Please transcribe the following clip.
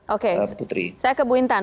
oke saya ke bu intan